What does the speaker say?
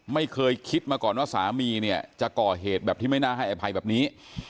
ไม่เคยคิดมาก่อนว่าสามีเนี่ยจะก่อเหตุแบบที่ไม่น่าให้อภัยแบบนี้